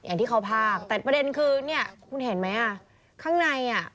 อย่างที่เขาพากแต่ประเด็นคือเนี่ยคุณเห็นไหมอ่ะข้างในอ่ะ